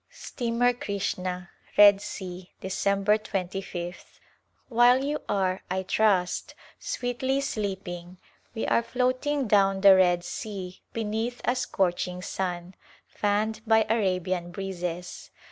Steamer Krishna^ Red Sea,, Dec. 2^th. While you are, I trust, sweetly sleeping we are floating down the Red Sea beneath a scorching sun, fanned by Arabian breezes.